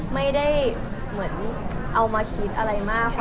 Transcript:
ไม่ได้เหมือนเอามาคิดอะไรมากค่ะ